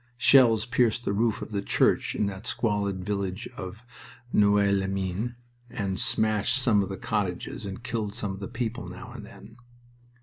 Shells pierced the roof of the church in that squalid village of Noeux les Mines and smashed some of the cottages and killed some of the people now and then.